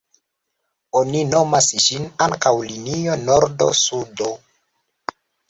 Oni nomas ĝin ankaŭ linio nordo-sudo.